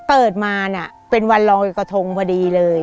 เปิดมาน่ะเป็นวันรอยกระทงพอดีเลย